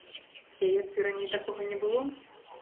Здаецца, раней такога не было?